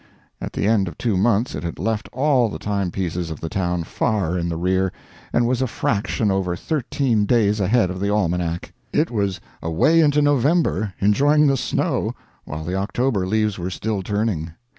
At the end of two months it had left all the timepieces of the town far in the rear, and was a fraction over thirteen days ahead of the almanac. It was away into November enjoying the snow, while the October leaves were still turning.